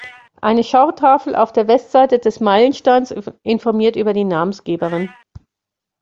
Eine Schautafel auf der Westseite des Meilensteins informiert über die Namensgeberin.